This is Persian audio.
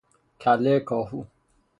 کله کاهو